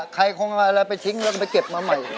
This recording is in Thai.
ใครคงเอาอะไรไปทิ้งแล้วไปเก็บมาใหม่